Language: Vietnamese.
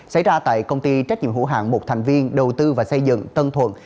xảy ra tại công ty trách nhiệm hữu hạng một thành viên đầu tư và xây dựng tân thuận